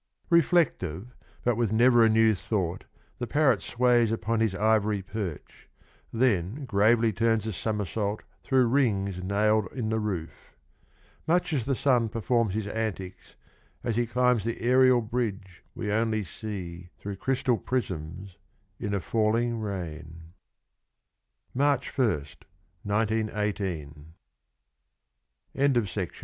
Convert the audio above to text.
'' Reflective, but with never a new thought The parrot sways upon his ivory perch — Then gravely turns a somersault Through rings nailed in the roof — Much as the sun performs his antics As he climbs the aerial bridge We only see Through crystal prisms in a falli